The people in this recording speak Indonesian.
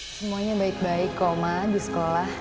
semuanya baik baik kok ma abis sekolah